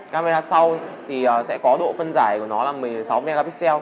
camera sau thì sẽ có độ phân giải của nó là một mươi sáu mw